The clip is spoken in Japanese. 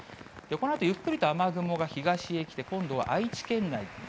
このあとゆっくりと雨雲が東へ来て、今度は愛知県内。